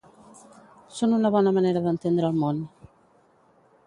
Són una bona manera d'entendre el món.